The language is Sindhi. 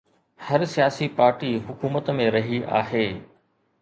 هر سياسي پارٽي حڪومت ۾ رهي آهي.